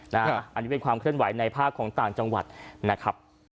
อันนี้เป็นความเคลื่อนไหวในภาคของต่างจังหวัดนะครับ